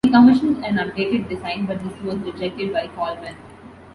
He commissioned an updated design, but this was rejected by Coleman.